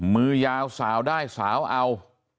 มือยาวสาวได้สาวเอา